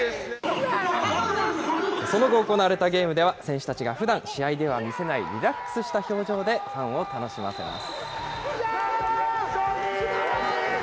その後、行われたゲームでは、選手たちが、ふだん試合では見せないリラックスした表情でファンを楽しませます。